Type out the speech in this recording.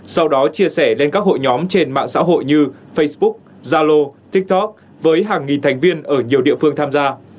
sau đó chia sẻ lên các hội nhóm trên mạng xã hội như facebook zalo tiktok với hàng nghìn thành viên ở nhiều địa phương tham gia